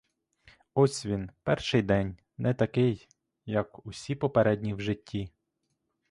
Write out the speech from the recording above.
Ось він, перший день, не такий, як усі попередні в житті.